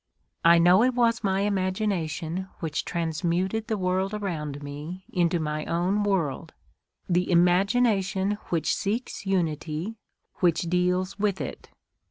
I know it was my imagination which transmuted the world around me into my own world—the imagination which seeks unity, which deals with it.